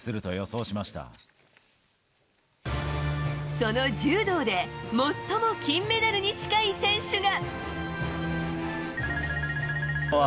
その柔道で最も金メダルに近い選手が。